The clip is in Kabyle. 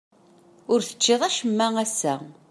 Ur teččiḍ acemma ass-a.